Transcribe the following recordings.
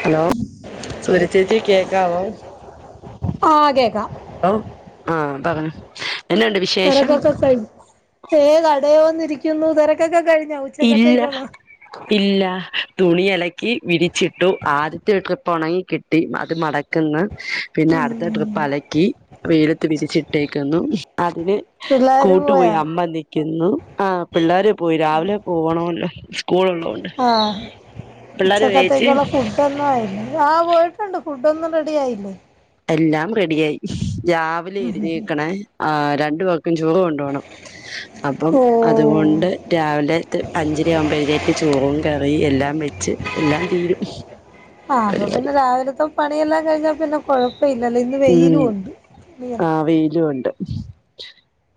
Hello സൂരചേച്ചിക്ക് കേക്കാവോ ആഹ് കേക്കാ ഔ ആ പറഞ്ഞു എന്നാണ്ട് വിശേഷം തിരക്കൊക്കെ കഴി ഏഹ് കടയിൽ വന്നിരിക്കുന്നു തിരക്കൊക്കെ കഴിഞെ ഇല്ല ഇല്ല തുണിഅലക്കി വിരിച്ചിട്ടു ആദ്യത്തെ ഇട്ടപ്പെ ഒണങ്ങി കിട്ടി അത് മടക്കി ക്കുന്നു പിന്നെ അടുത്ത ട്രിപ്പ് അലക്കി വെയിലത്ത് വിരിച്ചി ഇട്ടേക്കുന്നു അതിന് പിള്ളേര് കൂട്ടു പോയി പോയാ അമ്മ നിക്കുന്നു ആ പിള്ളേരെ പോയി രാവിലെ പോവണല്ലോ സ്കൂള ഉള്ളത്തെണ്ട് ആഹ് പിള്ളേരു വരുവോ ചേച്ചി ഇപ്പന്നും ആ ആഹ് പോയിട്ടുണ്ട് ഫുഡ് ഒന്നും റെഡി ആയില്ലേ എല്ലാം റെഡിയായി രാവിലെ എഴുന്നേൽക്കണേ ആ രണ്ടു പോർക്കും ചോറ് കൊങ് പോകണം അപ്പം ഓഹ് അതുകൊണ്ട് രാവിലത്തെ അഞ്ചര ആവുമ്പോത്തോക്ക് ചോറും കറി എല്ലാം വെച്ച് എല്ലാം തീരും ആപ്പൊ പരിപാടി പിന്നെ രാവിലത്തെ പണിയെല്ലാം കഴിഞ്ഞാ പിന്നെ കൊഴപ്പമില്ല ഇല്ലല്ലോ ഇന് ഉം ആ വെയിലും ഉണ്ട്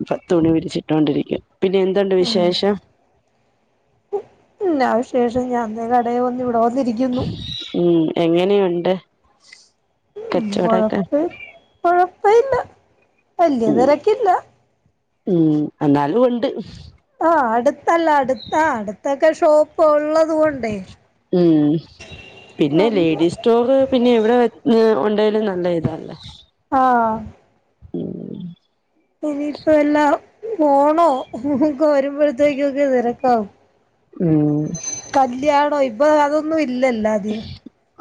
ഇപ്പം തുണി വിരിച്ചിട്ടൊണ്ടിരിക്കാ പിന്നെ എന്തുണ്ട് ഉം വിശേഷം എന്നാ വിശേഷം ഞാൻ ഇതാ കടയിൽ വന്ന് ഇവിടെ വന്നിരി ഉം എങ്ങനെയുണ്ട് ഉം കച്ചവടൊക്കെ കൊഴപ്പ കൊഴപ്പഇല്ല വല്യ ഉം തിരക്കില്ല ഉം എന്നാലും ഉണ്ട് ഓ അടുത്തല്ല അടുത്ത അടുത്തൊക്കെ ഷോപ്പ് ഉള്ളത് കൊണ്ട് ഉം പിന്നെ നല്ല ലേഡീസ് സ്റ്റോറ് പിന്നെ എവിടെ ഉണ്ടേലും നല്ല ഇതല്ലേ ആഹ് ഉം ഇനിയിപ്പോ എല്ലാ ഓണോ വരുമ്പോഴത്തേക്കൊക്കെ തിരക്കാവും ഉം കല്യാണം ഇപ്പൊ അതൊന്നും ഇല്ലല്ലേ ആധികം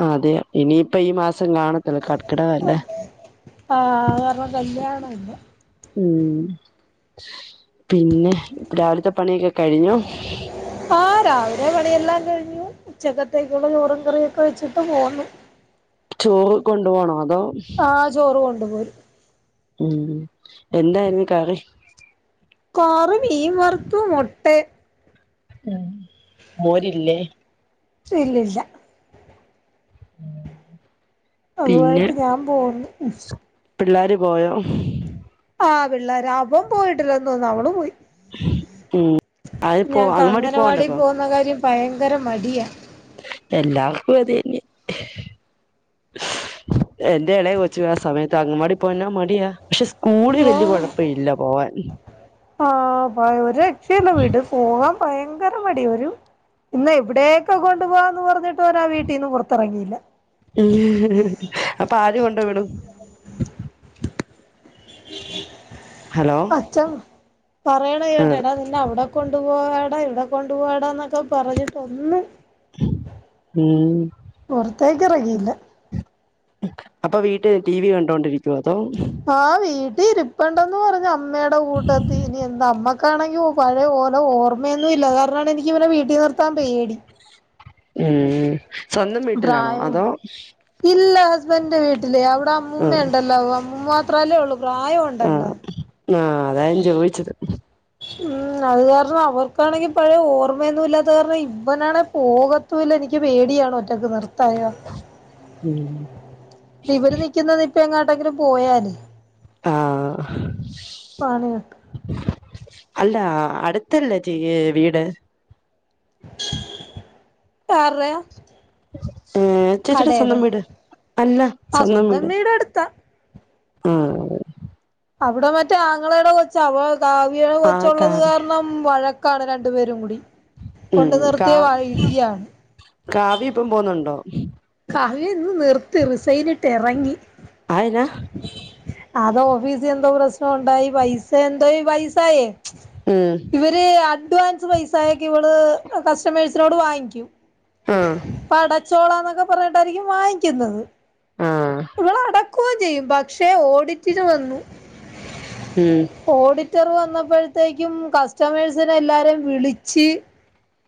ആ അതെ ഇനിയിപ്പ ഈ മാസം കാണത്തില്ല കർക്കിടവല്ലേ ആഹ് അത് കാരണം കല്യാണം ഇല്ല ഉം പിന്നെ രാവിലത്തെ പണിയൊക്കെ കഴിഞോ ആഹ് രാവിലെ പണിയെല്ലാം കഴിഞ്ഞു ഉച്ചക്കത്തേക്കുള്ള ചോറും കറിയൊക്കെ വെച്ചിട്ട് പോന്ന്. ചോറ് കൊണ്ട് പോണോ അതോ. ആഹ് ചോറ് കൊണ്ടു പോയി ഉം എന്തായിരുന്നു കറി കറി മീൻ വർത്തു മൊട്ടെ ഉം മോരില്ലേ ഇല്ലില്ല പിന്നെ അതുമായിട്ട് ഞാൻ പോന്നു പിള്ളോര് പോയോ ആഹ് പിള്ളോര അവൻ പോയിട്ടില്ലന്ന് തോന്നുനു അവള് പോയി ഉം അത് പോ ഞങ്ങക്ക് അങ്ങവാടി അങ്ങനവാടിൽ പോവണ്ടപ്പം പോവുന്ന കാര്യം ഭയങ്കര മടിയാ. എല്ലാർക്കും അതെന്നെ. എന്റെ എളയ കൊച്ചും ആ സമയത്ത് അങ്ങൻവാടി പോവാ എന്നാ മടിയാ. പക്ഷെ സ്കൂളി ഓ വലിയ കൊഴപ്പ ഇല്ല പോവാൻ. ആഹ് ഭയ ഒര് രക്ഷേല്ല വ്ട് പോവാൻ ഭയങ്കര മടി ഒരു. ഇന്ന് എവിടെയൊക്കെ കൊണ്ടു പോവാന്ന് പറഞ്ഞിട്ടും അവനാ വീട്ടീന്ന് പുറത്തിറങ്ങിയില്ല. ഉം അപ്പൊ ആര് കൊണ്ട് വിടും? ഹലോ അച്ഛൻ പറയണ ആ കേട്ടടാ. പിന്നെ അവിടെ കൊണ്ടു പോവാടാ ഇവിടെ കൊണ്ടു പോവാടാന്നൊക്കെ പറഞ്ഞിട്ട് ഒന്ന് ഉം പൊറത്തേക്കിറങ്ങിയില്ല. അപ്പൊ വീട്ടില് ടി വി കണ്ടോണ്ടിരിക്കുവോ അതോ. ആ വീട്ടിൽ ഇരിപ്പണ്ടന്ന് പറഞ്ഞ് അമ്മയുടെ കൂട്ടത്തി ഇനി എന്താ അമ്മ. ക്കാണെങ്കിൽ പഴയ ഓലെ ഓർമ്മയൊന്നും ഇല്ല അത് കാരണാണ് എനിക്കിവനെ വീട്ടി നിർത്താൻ പേടി. ഉം സ്വന്തം വീട്ടിലാണോ പ്രായോ അതോ ഇല്ല ഹസ്ബൻഡിന്റെ വീട്ടില് അവിടെ അമ്മൂമ്മ ആഹ് ഉണ്ടല്ലാവോ അമ്മൂമ്മ. ത്രല്ലേയുള്ളൂ പ്രായം ഒണ്ടല്ല. ആഹ് ആഹ് അതാ ഞാൻ ചോയിച്ചത്. ഉം അത് കാരണം അവർക്കാണെങ്കിൽ പഴയ ഓർമ്മയൊന്നും ഇല്ലാത്ത കാരണം ഇവനാണെ പോക ത്തൂല്ല എനിക്ക് പേടിയാണ് ഒറ്റയ്ക്ക് നിർ ത്താനേ ഉം ഇവര് നിക്കുന്നത് നിപ്പി എങ്ങാട്ടെങ്കിലും പോയാലേ. ആഹ് പണി കിട്ടും അല്ല അടുത്തല്ലേച്ചി വീട്? ആറ്ടെയാ ഏഹ് ചേച്ചിയുടെ കടേടെ സ്വന്തം വീട് അല്ല ആഹ് സ്വന്തം വീട് വീടടുത്താ. ആഹ് അതെ അവിടെ മറ്റേ ആങ്ങളേടെ കൊച്ച് അപ്പോ കാവ്യേടെ ആഹ് കൊച്ചൊള്ളത് കാവ്യ കാരണം ഉം വഴക്കാണ് രണ്ടു പേരും കൂടി ഉം കൊണ്ടു കാ നിർത്തിയാ വ ഇടിയാണ് കാവ്യ ഇപ്പം പോന്നുണ്ടോ? കാവ്യ ഇന്ന് നിർത്തി റിസൈനിട്ട് എറങ്ങി. അതെന്നാ അത് ഓഫീസി എന്തോ പ്രശ്നോണ്ടായി പൈസ എന്തോ ഈ പൈസായേ ഉം ഇവര് അഡ്വാൻസ് പൈസായൊക്കെ ഇവള് കസ്റ്റമേഴ്സിനോട് വാങ്ങിക്കും. ആഹ്. അപ്പൊ അടച്ചോളാന്നൊക്കെ പറഞ്ഞിട്ടായിരിക്കും വാങ്ങിക്കുന്നത് ആഹ് ഇവളട ക്കോം ചെയ്യും പക്ഷെ ഓഡിറ്റിന് വന്നു. ഉം ഓഡിറ്റർ വന്നപ്പഴ്ത്തേക്കും കസ്റ്റമേഴ്സിനെ എല്ലാരേം വിളിച്ച്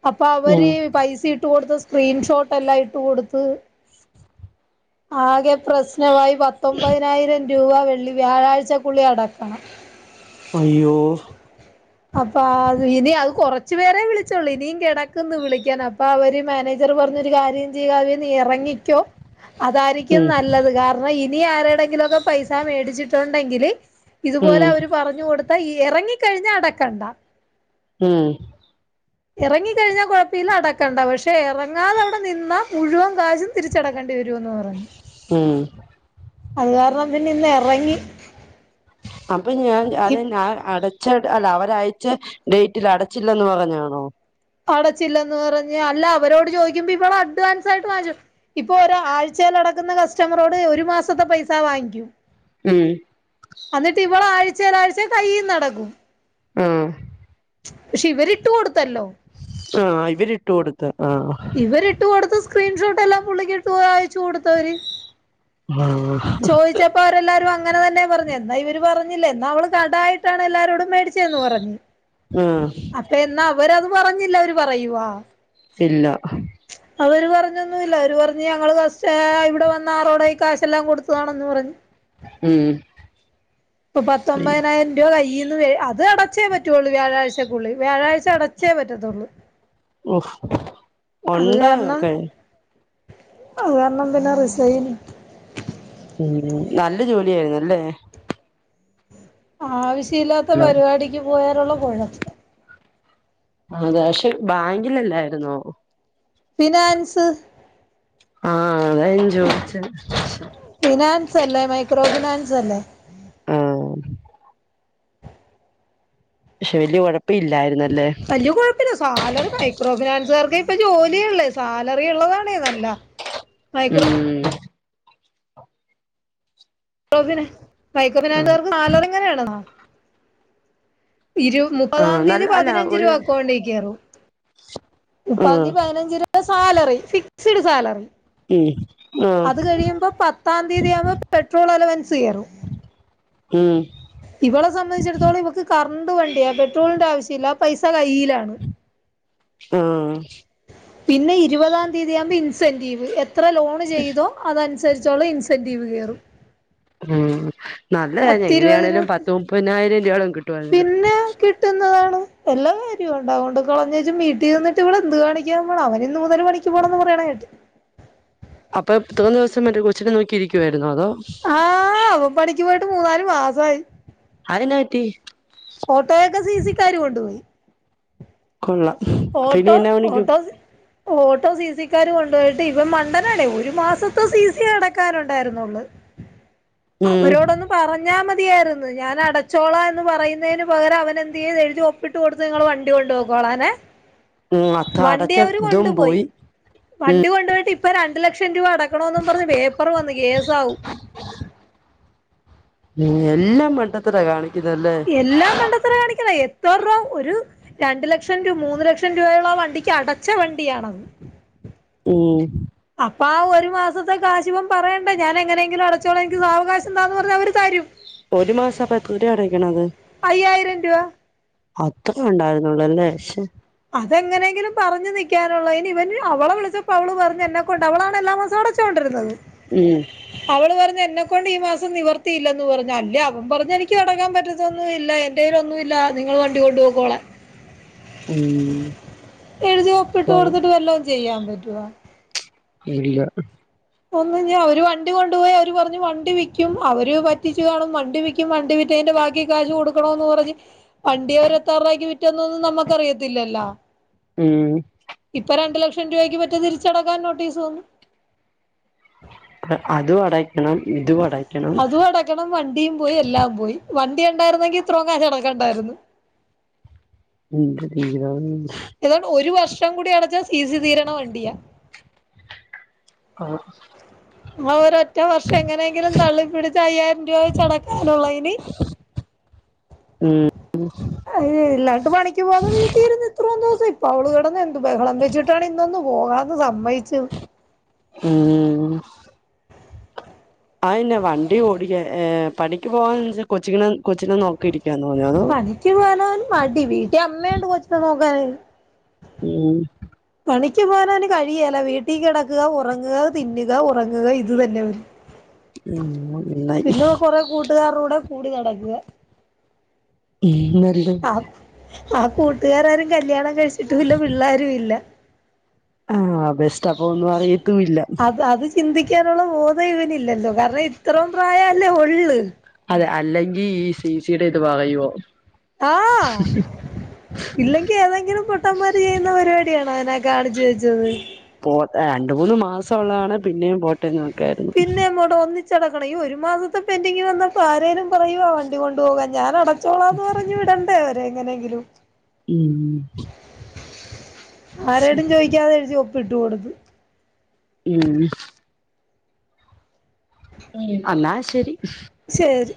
അപ്പൊ ഉം അവര് പൈസ ഇട്ട് കൊടുത്ത സ്ക്രീൻഷോട്ട് എല്ലാം ഇട്ട് കൊടുത്ത് ആകെ പ്രശ്നമായി പത്തൊമ്പതിനായിരം രൂപ വെള്ളി വ്യാഴാഴ്ചക്കുള്ളിൽ അടക്കണം അയ്യോ അപ്പൊ ആ ഇനി അത് കൊറച്ചു പേരേ വിളിച്ചൊള്ളൂ ഇനിയും കെടക്കന്ന് വിളിക്കാൻ അപ്പൊ അവര് മാനേ ജറ് പറഞ്ഞു ഒര് കാര്യം ചെയ്യ ചെയ്യ് കാവ്യേ നീ എറങ്ങിക്കോ അതായിരിക്കും ഉം നല്ലത് കാരണം ഇനി ആരോടെങ്കിലൊക്കെ പൈസാ മേടിച്ചിട്ടൊണ്ടെങ്കില് ഇതുപോലെ ഉം അവര് പറഞ്ഞു കൊടുത്താ ഇ എറങ്ങി കഴിഞ്ഞാ അടക്കണ്ട. ഉം എറങ്ങിക്കഴിഞ്ഞാ കൊഴപ്പയില്ല അടക്കണ്ട പക്ഷെ എറങ്ങാതെ അവിടെ നിന്നാ മുഴുവൻ കാശും തിരിച്ചടക്ക തരുവെന്ന് പറഞ്ഞു ഉം അത് കാരണം പിന്നെ ഇന്ന് എറങ്ങി. അപ്പൊ ഞാൻ അത ഈ ഞാൻ അട അല്ല അവരാഴ്ച്ച ഡേറ്റിൽ അടച്ചില്ലെന്ന് പറഞ്ഞാണോ അടച്ചില്ലന്ന് പറഞ്ഞ് അല്ല അവരോട് ചോദിക്കുമ്പോ ഇവള് അഡ്വാൻസ് ആയിട്ട് വാങ്ങിച്ചു ഇപ്പൊ ഒരു ആഴ്ചൽ അടക്കുന്ന കസ്റ്റമറോട് ഒരു മാസത്തെ പൈസ വാങ്ങിക്കും ഉം എന്നിട്ട് ഇവള് ആഴ്ച്ച ആഴ്ച്ച കയ്യ്ന്ന് അടക്കും ആഹ് പക്ഷെ ഇവരിട്ട് കൊടുത്തല്ലോ ആഹ് ഇവരി ഇട്ടു കൊടുത്ത ആഹ് ഇവരിട്ട് കൊടുത്ത സ്ക്രീൻഷോട്ട് എല്ലാം പുള്ളി ഇട്ട് അയച്ചു കൊടുത്തവര് ആഹ് പപ്പോ അവരെല്ലാരും അങ്ങനെ തന്നെ പറഞ്ഞു എന്നാ ഇവര് പറഞ്ഞില്ലേ എന്നാ അവള് കടായിട്ടാണ് എല്ലാരരോടും മേടി ന്ന് പറഞ്ഞു ആഹ് അപ്പം എന്നാ അവരത് പറഞ്ഞില്ല അവര് പറയുവാ ഇല്ല അവര് പറഞ്ഞൊന്നുമില്ല അവര് പറഞ്ഞ് ഞങ്ങള് ഫസ്റ്റ് ഇവിടെ വന്ന ആറോടെ ഈ കാശെല്ലാം കൊടുത്തതാണെന്ന് പറഞ്ഞു ഉംഹ് ഇപ്പൊ പത്തൊമ്പതിനായിരം രൂപ കയ്യിൽന്ന് അത് അടച്ചേ പറ്റുവൊള്ളൂ വ്യാഴാഴ്ചക്കുള്ളിൽ വ്യാഴാഴ്ച- ഴ്ച്ച അടച്ചേ പറ്റത്തുള്ളൂ ഓഹ് അത് ഉണ്ട് കാരണം ഒക്കെ അത് കാരണം പിന്നെ റിസൈന്‍ ഉം നല്ല ജോലിയായിരുന്നു അല്ലേ ആവശ്യമില്ലാത്ത ഹലോ പരിപാടിക്ക് പോയാലുള്ള കുഴപ്പം അതെ പക്ഷെ ബാങ്കിലല്ലായിരുന്നോ ഫിനാൻസ് ആഹ് അതാ ഞാൻ ചോദിച്ചത് ഫിനാൻസ് അല്ലേ മൈക്രോ ഫിനാൻസ് അല്ലേ ആഹ് പക്ഷെ വലിയ കുഴപ്പം ഇല്ലായിരുന്നല്ലേ പിന്നെ സാലറി മൈക്രോ ഫിനാൻസുകാർക്കെ ഇപ്പം ജോലിയൊള്ളേ സാലറി ഉള്ളതാണേ നല്ല മൈക്രോ ഉം മൈക്രോ ആഹ് ഫിനാൻസുകാർക്ക് സാലറി എങ്ങനെയാണെന്നോ ഇരു മുപ്പതാം ആഹ് തീയതി നല്ല അല്ല പതിനഞ്ച് ഒരു രൂപ അക്കൗണ്ടിക്കേറും മുപ്പതാം ആഹ് തീയതി പതിനഞ്ച് രൂപ അത് സാലറി ഫിക്സഡ് സാലറി ഉംഹ് അത് കഴിയുമ്പൾ പത്താം തീയതി ആവുമ്പോ പെട്രോൾ അലവൻസ് കയറും ഉംഹ് ഇവളെ സംബന്ധിച്ചിടത്തോളം ഇവക്ക് കറണ്ട് വണ്ടിയാ പെട്രോളിന്റെ ആവശ്യമില്ല പൈസ കയ്യിലാണ് ആഹ് പിന്നെ ഇരുപതാം തീയതി ആകുമ്പോൾ ഇൻസെന്റീവ് എത്ര ലോണ് ചെയ്തോ അതനുസരിച്ചുള്ള ഇൻസെന്റീവ് കയറും ഉംഹ് നല്ലതാരുന്നു പത്തിരുപത് എങ്ങനെയാണേലും ഇരുപത്തി പത്ത് മുപ്പതിനായിരം രൂപയോളം കിട്ടും പിന്നെ കിട്ടുന്നതാണ് വല്ല കാര്യവും ഉണ്ടോ അതുകൊണ്ട് കളഞ്ഞേച്ച് വീട്ടിൽ ഇരുന്നിട്ട് ഇവള് എന്ത് കാണിക്കാൻ പോവാണ് അവന് ഇന്ന് മുതൽ പണിക്ക് പോകണംന്ന് പറയണ കേട്ട് അപ്പൊ ഇത്രേം ദിവസം മറ്റേ കൊച്ചിനെ നോക്കിയിരിക്കുവായിരുന്നോ അതോ ആഹ് അവ പണിക്ക് പോയിട്ട് മൂന്നാല് മാസായി അതെന്നാപറ്റി ഓട്ടോയൊക്കെ സി സി ക്കാര് കൊണ്ടുപോയി കൊള്ളാം അപ്പൊ ഇനി ഓട്ടോ എന്നാ പണിക്കും ഓട്ടോ ഓട്ടോ സി സി ക്കാര് കൊണ്ടു പോയിട്ട് ഇവൻ മണ്ടനാടി ഒരു മാസത്തെ സി സി അടക്കാൻ ഉണ്ടായിരുന്നുള്ളൂ ഉം അവരോടൊന്നും പറഞ്ഞാ മതിയായിരുന്നു ഞാൻ അടച്ചോളാം എന്ന് പറയുന്നതിന് പകരം അവൻ എന്ത് ചെയ്തു എഴുതി ഒപ്പ് പ്പിട്ട് കൊടുത്ത് നിങ്ങള് വണ്ടി കൊണ്ടുപോക്കോളാന് ഉം അത് വണ്ടി അടച്ച അവര് ഇതും കൊണ്ടുപോയി പോയി വണ്ടി കൊണ്ടു പോയിട്ട് ഇപ്പൊ രണ്ടു ലക്ഷം രൂപ അടക്കണോന്ന് പറഞ്ഞ് പേപ്പർ വന്നു കേസ് ആവും എല്ലാം മണ്ടത്തരവാ കാണിക്കു എല്ലാ മണ്ടത്തരവാ കാണിക്കുന്നെ എത്ര രൂപ ഒരു രണ്ടു ലക്ഷം രൂ മൂന്ന് ലക്ഷം രൂപയോളം ആ വണ്ടിക്ക് അടച്ച വണ്ടിയാണത് ഉംഹ് അപ്പൊ ആ ഒരു മാസത്തെ കാശിവൻ പറയണ്ടേ ഞാൻ എങ്ങനെയെങ്കിലും അടച്ചോളാം എനിക്ക് സാവകാശം താന്ന് പറഞ്ഞാ അവര് തരും ഒരു മാസം അപ്പം എത്ര രൂപ അടക്കണം അത് അയ്യായിരം രൂപ അത്രേ ഉണ്ടായിരുന്നുള്ളു അല്ലേ ശ്ശോ അതെങ്ങനെങ്കിലും പറഞ്ഞു നിൽക്കാനുള്ളതിന് ഇവന് അവളെ വിളിച്ചപ്പോ അവള് പറഞ്ഞ് എന്നെ കൊണ്ട് അവളാണ് എല്ലാ മാസവും അടച്ചോണ്ടിരുന്നത് ഉംഹ് അവള് പറഞ്ഞ് എന്നെക്കൊണ്ട് ഈ മാസം നിവർത്തിയില്ലന്ന് പറഞ്ഞു അല്ലെ അവൻ പറഞ്ഞ് എനിക്ക് അടക്കാൻ പറ്റത്തൊന്നും ഇല്ല എന്റെയിൽ ഒന്നുമില്ല നിങ്ങള് വണ്ടി കൊണ്ട് പോക്കോളാൻ ഉംഹ് എഴുതി ഒപ്പിട്ട് കൊടുത്തിട്ട് വല്ലോം ചെയ്യാൻ പറ്റുവോ ഇല്ല ഒന്ന് ഇനി അവര് വണ്ടി കൊണ്ടുപോയി അവര് പറഞ്ഞു വണ്ടി വിക്കും അവര് പറ്റിച്ചു കാണും വണ്ടി വിക്കും വണ്ടി വിറ്റതിന്റെ ബാക്കി കാശ് കൊടുക്കണോന്ന് പറഞ്ഞു വണ്ടി അവര് എത്ര രൂപക്ക് വിറ്റന്നൊന്നും നമുക്കറിയത്തില്ലല്ലോ ആണ് ഇപ്പൊ രണ്ട് ലക്ഷം രൂപയ്ക്ക് പറ്റ് തിരിച്ചടക്കാൻ നോട്ടീസ് വന്നു അതും അടക്കണം ഇതും അടക്കണം അതും അടക്കണം വണ്ടിയും പോയി എല്ലാം പോയി വണ്ടി ഉണ്ടായിരുന്നെങ്കി ഇത്രയും കാശ് അടക്കണ്ടായിരുന്നു ഉണ്ട് വലിയ തോതിൽ ഇല്ല ഇവൻ ഒരു വർഷം കൂടി അടച്ചാൽ സി സി തീരണ വണ്ടിയാ ആഹ് ഇവൻ ഒരു ഒറ്റ വർഷം എങ്ങനെങ്കിലും തള്ളിപ്പിടിച്ച് അയ്യായിരം രൂപ വെച്ച് അടക്കാനുള്ളതിന് [inaudible] ഉംഹ് ഇല്ലാണ്ട്പണിക്ക് പോകാതെ വീട്ടില് ഇരുന്ന് ഇത്രയും ദിവസം ഇപ്പൊ അവള് കിടന്ന് എന്ത് ബഹളം വെച്ചിട്ടാണ് ഇന്നൊന്ന് പോകാന്ന് സമ്മതിച്ചത് ഉംഹ് അയെന്ന വണ്ടി ഓടിക്കാൻ പണിക്ക് പോവാൻ കൊച്ചുങ്ങളെ കൊച്ചിനെ നോക്കിയി രിക്കാൻ തോന്നിയോ അതോ പണിക്കു പോവാൻ അവന് മടി വീട്ടിൽ അമ്മയുണ്ട് കൊച്ചിനെ നോക്കാൻ പിന്നെ പണിക്ക് പോകാന് അവന് കഴിയുവേല വീട്ടിൽ കിടക്കുക ഉറങ്ങുക തിന്നുക ഉറങ്ങുക ഇത് തന്നെ പരു ഉംഹ് നന്നായി കൊറേ കൂട്ടുകാരുടെ കൂടെ കൂടി നടക്കുക [unintelligible] ആ ആ കൂട്ടുകാരാരും കല്യാണം കഴിച്ചിട്ടും ഇല്ല പിള്ളാരും ഇല്ല ആഹ് ബെസ്റ്റ് അപ്പൊ ഒന്നും അറിയത്തുമില്ല അത് അത് ചിന്തിക്കാനുള്ള ബോധം ഇവനില്ലല്ലോ കാരണം ഇത്രയും പ്രായം അല്ലേ ഒള്ളു അതെ അല്ലെങ്കിൽ ഈ സി സി യുടെ ഇത് കളയുവോ ആഹ് ഇല്ലെങ്കിൽ ഏതെങ്കിലും പൊട്ടന്മാര് ചെയ്യുന്ന പരിപാടിയാണോ അവനാ കാണിച്ചു വെച്ചത് പോ രണ്ടു മൂന്ന് മാസം ഉള്ളതാണെ പിന്നെയും പോട്ടേന്ന് വെക്കാരുന്നു പിന്നെ അങ്ങോട്ട് ഒന്നിച്ചടക്കണം ഈ ഒരു മാസത്തെ പെൻഡിങ്ങ് വന്നപ്പോ ആരേലും പറയുവോ ആ വണ്ടി കൊണ്ടു പോകാൻ ഞാനട ച്ചോളാന്ന് പറഞ്ഞു വിടണ്ടേ അവരെ എങ്ങനെയെങ്കിലും ഉംഹ് ആരോടും ചോദിക്കാതെ എഴുതി ഒപ്പ് ഇട്ടു കൊടുത്തു ഉംഹ് ഉംഹ് അന്നാ ശെരി ശെരി